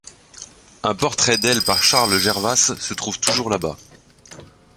Un portrait d'elle par Charles Jervas se trouve toujours là-bas.